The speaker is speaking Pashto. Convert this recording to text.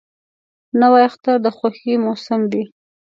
نوی اختر د خوښۍ موسم وي